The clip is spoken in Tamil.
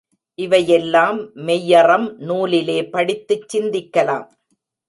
இவையெல்லாம் மெய்யறம் நூலிலே படித்துச் சிந்திக்கலாம்.